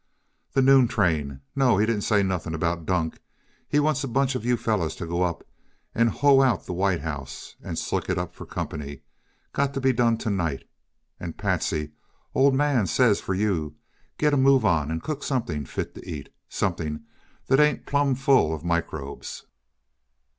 "The noon train. No, he didn't say nothing about Dunk. He wants a bunch of you fellows to go up and hoe out the White House and slick it up for comp'ny got to be done t' night. And Patsy, Old Man says for you t' git a move on and cook something fit to eat; something that ain't plum full uh microbes."